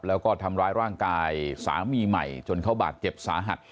แล้วก็ทำร้ายร่างกายสามีใหม่จนเขาบาดเจ็บสาหัส